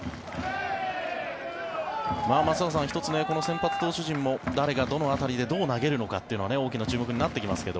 松坂さん、１つこの先発投手陣も誰がどの辺りでどう投げるのかというのは大きな注目になってきますが。